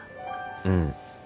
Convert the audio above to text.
うん。